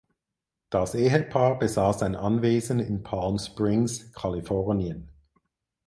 Das Ehepaar besaß ein Anwesen in Palm Springs (Kalifornien).